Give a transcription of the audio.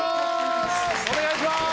お願いします！